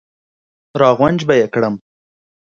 را غونج به یې کړم.